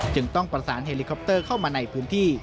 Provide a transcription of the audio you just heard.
จึงต้องประสานเฮลิคอปเตอร์เข้ามาในพื้นที่